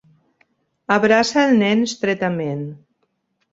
Abraça el nen estretament.